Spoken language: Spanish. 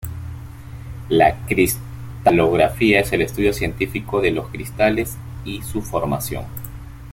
La cristalografía es el estudio científico de los cristales y su formación.